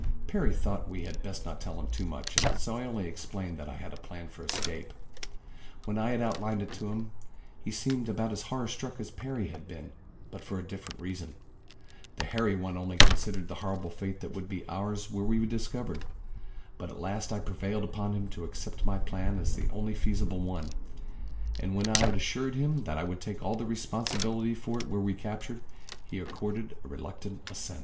Perry thought we had best not tell him too much, and so I only explained that I had a plan for escape. When I had outlined it to him, he seemed about as horror struck as Perry had been; but for a different reason. The Hairy One only considered the horrible fate that would be ours were we discovered; but at last I prevailed upon him to accept my plan as the only feasible one, and when I had assured him that I would take all the responsibility for it were we captured, he accorded a reluctant assent.